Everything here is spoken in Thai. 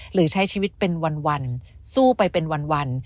หรือใช้ชีวิตเป็นวันสู้ไปเป็นวัน